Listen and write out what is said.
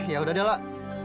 ya udah deh lah